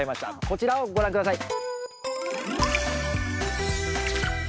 こちらをご覧下さい！